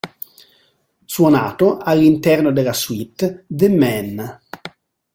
Suonato all'interno della suite The Man.